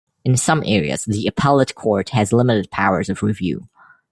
In some areas the appellate court has limited powers of review.